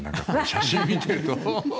写真を見ていると。